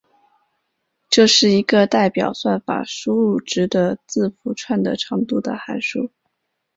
这是一个代表算法输入值的字符串的长度的函数。